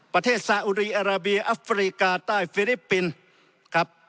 ประเทศซาอุดีอาราเบียอัฟริกาใต้ฟิลิปปินส์ครับ